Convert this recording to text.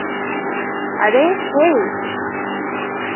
আরে, হেই!